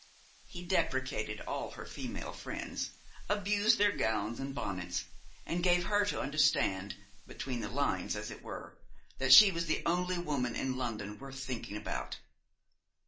He depreciated all her female friends abused their gowns and bonnets, and gave her to understand, between the lines, as it were, that she was the only woman in London worth thinking about.